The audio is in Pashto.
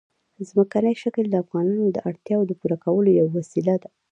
ځمکنی شکل د افغانانو د اړتیاوو د پوره کولو یوه وسیله ده.